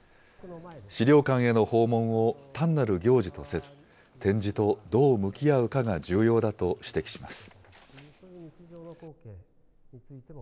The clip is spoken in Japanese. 資料館への訪問を単なる行事とせず、展示とどう向き合うかが重要だと指摘します。